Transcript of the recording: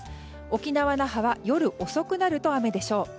沖縄・那覇は夜遅くなると雨でしょう。